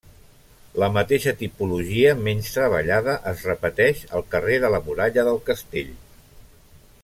La mateixa tipologia, menys treballada, es repeteix al carrer de la Muralla del Castell.